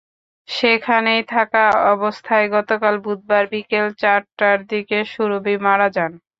সেখানেই থাকা অবস্থায় গতকাল বুধবার বিকেল চারটার দিকে সুরভী মারা যান।